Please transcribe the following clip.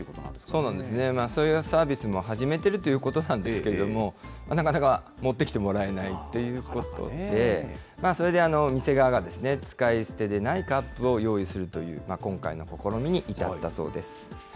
そうなんですね、そういうサービスも始めてるということなんですけれども、なかなか持ってきてもらえないということで、それで店側が、使い捨てでないカップを用意するという今回の試みに至ったそうです。